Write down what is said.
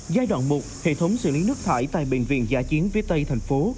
giai đoạn một hệ thống xử lý nước thải tại bệnh viện giả chiến phía tây thành phố